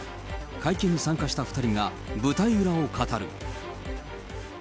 会見に参加した２人が舞台裏を語る。